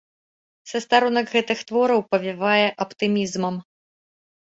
Са старонак гэтых твораў павявае аптымізмам.